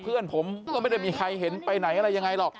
เพื่อนผมก็ไม่ได้มีใครเห็นไปไหนอะไรยังไงหรอก